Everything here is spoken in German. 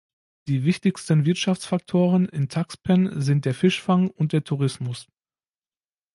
Die wichtigsten Wirtschaftsfaktoren in Tuxpan sind der Fischfang und der Tourismus.